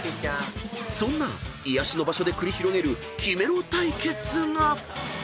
［そんな癒やしの場所で繰り広げるキメろ対決が］